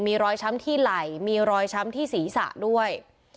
มีรอยช้ำที่ไหล่มีรอยช้ำที่ศีรษะด้วย